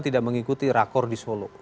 tidak mengikuti rakor di solo